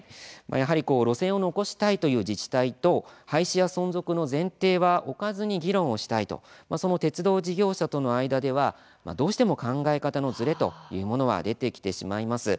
路線を残したいという自治体と廃止や存続の前提を置かずに議論をしたいという鉄道事業者との間ではどうしても考え方のずれというものは出てきてしまいます。